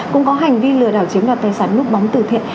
cũng có hành vi lừa đảo chiếm đặt tài sản núp bóng tử thiện